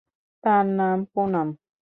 তার না পুনাম।